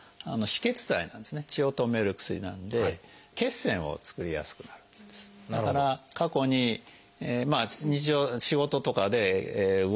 血を止める薬なんで血栓を作りやすくなるんです。